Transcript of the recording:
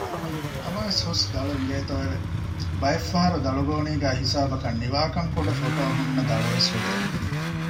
ނަމަވެސް ހުސް ދަޅު އިނގޭތޯއެވެ! ބައެއްފަހަރު ދަޅުގޯނީގައި ހިސާބަކަށް ނިވާކަންކުޑަ ފޮޓޯ ހުންނަ ދަޅުވެސް ހުރޭ